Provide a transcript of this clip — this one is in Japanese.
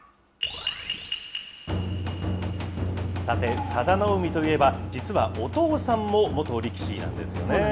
さて、佐田の海といえば、実はお父さんも元力士なんですよね。